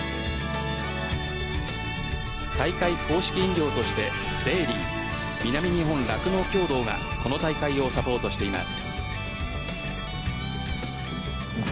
大会公式飲料としてデーリィ南日本酪農協同がこの大会をサポートしています。